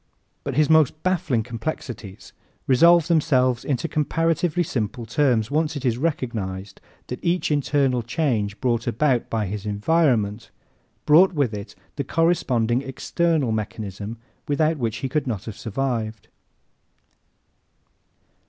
But his most baffling complexities resolve themselves into comparatively simple terms once it is recognized that each internal change brought about by his environment brought with it the corresponding external mechanism without which he could not have survived.